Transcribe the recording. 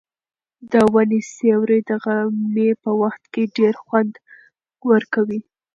د ونې سیوری د غرمې په وخت کې ډېر خوند ورکوي.